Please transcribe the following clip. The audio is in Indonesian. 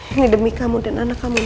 ini demi kamu dan anak kamu